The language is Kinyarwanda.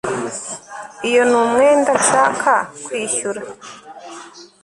iyo ni umwenda nshaka kwishyura